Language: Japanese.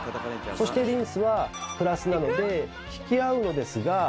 そしてリンスはプラスなので引き合うのですが。